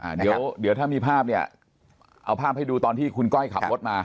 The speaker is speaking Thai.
เดี๋ยวเดี๋ยวถ้ามีภาพเนี่ยเอาภาพให้ดูตอนที่คุณก้อยขับรถมา